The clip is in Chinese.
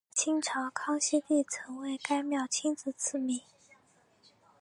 清朝康熙帝曾为该庙亲自赐名。